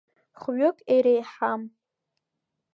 Хәҩык иреиҳам!